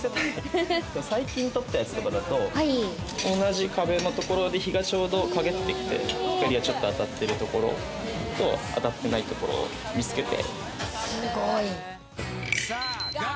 最近撮ったやつとかだと、同じ壁のところで日差しがちょうど陰ってきて、光がちょっと当たってるところと、当たってないところ見つけて。